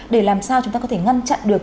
để làm sao chúng ta có thể ngăn chặn được